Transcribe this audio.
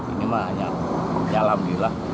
ini mah hanya jalan belah